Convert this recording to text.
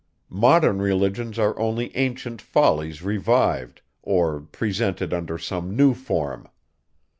Modern religions are only ancient follies revived, or presented under some new form.